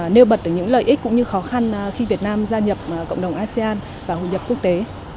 nêu bật được những lợi ích cũng như khó khăn khi việt nam gia nhập cộng đồng asean và hội nhập quốc tế